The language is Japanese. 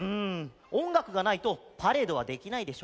おんがくがないとパレードはできないでしょ。